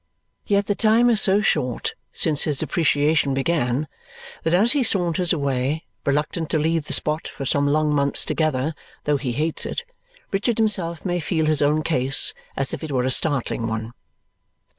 Yet the time is so short since his depreciation began that as he saunters away, reluctant to leave the spot for some long months together, though he hates it, Richard himself may feel his own case as if it were a startling one.